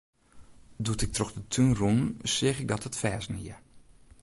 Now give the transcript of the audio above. Doe't ik troch de tún rûn, seach ik dat it ferzen hie.